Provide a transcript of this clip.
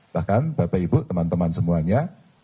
bahkan bapak ibu teman teman semuanya